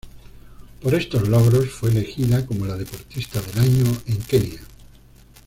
Por estos logros, fue elegida como la deportista del año en Kenia.